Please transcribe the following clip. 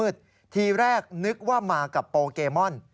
ทีแรกนึกว่ามากับโปเกมอน